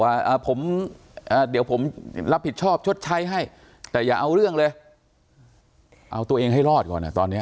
ว่าผมเดี๋ยวผมรับผิดชอบชดใช้ให้แต่อย่าเอาเรื่องเลยเอาตัวเองให้รอดก่อนตอนนี้